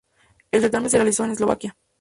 El certamen se realizó en Eslovaquia.